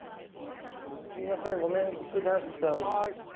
すいませんごめんください。